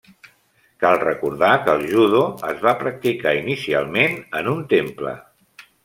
Cal recordar que el judo es va practicar inicialment en un temple.